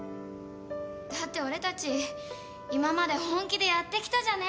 だって俺たち今まで本気でやってきたじゃねえかよ。